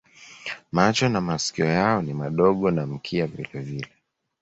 Macho na masikio yao ni madogo na mkia vilevile.